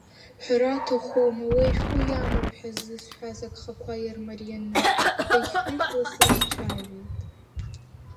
Ҳәара аҭахума, уи ашәҟәы иамоуп ҳәа ззысҳәаз агхақәа иаармарианы, хыхь-хыхьла срыхцәажәеит.